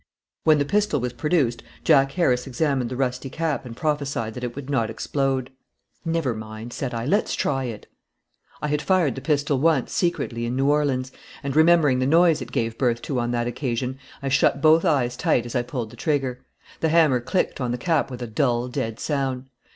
When the pistol was produced, Jack Harris examined the rusty cap and prophesied that it would not explode. "Never mind," said I, "let's try it." I had fired the pistol once, secretly, in New Orleans, and, remembering the noise it gave birth to on that occasion, I shut both eyes tight as I pulled the trigger. The hammer clicked on the cap with a dull, dead sound.